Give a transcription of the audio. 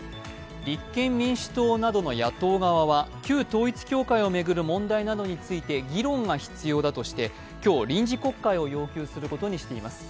立憲民主党などの野党側は旧統一教会を巡る問題などについて議論が必要だとして今日、臨時国会を要求することにしています。